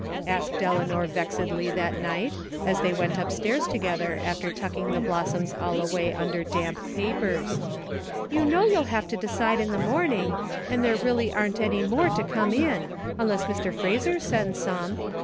asked Eleanor vexedly that night, as they went up stairs together after tucking the blossoms all away imder damp papers. " You know you'll have to decide in the morning, and there really aren't any more tc come in, imless Mr. Frazer sends some.